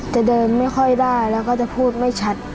จะเดินไม่ค่อยได้แล้วก็จะพูดไม่ชัด